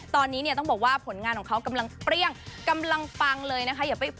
ตอนนี้เนี่ยต้องบอกว่าผลงานของเขากำลังเปรี้ยงกำลังปังเลยนะคะ